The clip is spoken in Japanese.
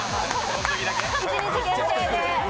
一日限定で。